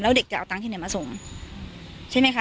แล้วเด็กจะเอาตังค์ที่ไหนมาส่งใช่ไหมคะ